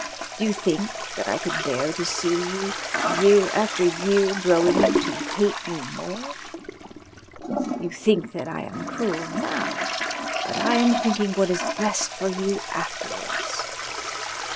Do you think that I could bear to see you year after year growing to hate me more? You think that I am cruel now, but I am thinking what is best for you afterwards.